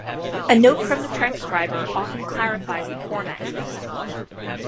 A note from the transcriber often clarifies the format used.